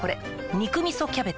「肉みそキャベツ」